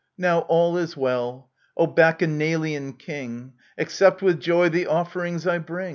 Now all is well O Bacchanalian king ! Accept with joy the offerings I bring